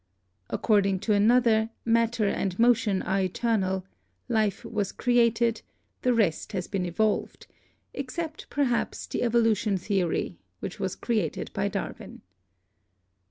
According to another, matter and motion are eternal; life was created; the rest has been evolved, except, perhaps, the evolution theory which was created by Darwin.